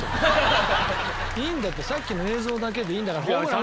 いいんだってさっきの映像だけでいいんだからホームラン打った。